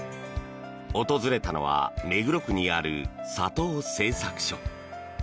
訪れたのは目黒区にある佐藤製作所。